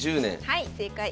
はい正解。